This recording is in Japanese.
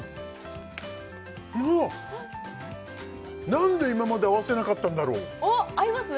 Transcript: なんで今まで合わせなかったんだろうおっ合います？